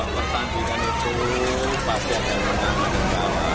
pertandingan itu pasti akan menang